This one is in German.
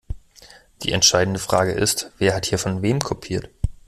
Die entscheidende Frage ist, wer hat hier von wem kopiert?